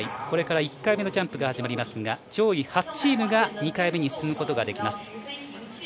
これから１回目のジャンプが始まりますが上位８チームが２回目に進めます。